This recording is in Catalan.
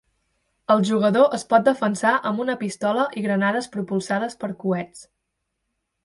El jugador es pot defensar amb una pistola i granades propulsades per coets.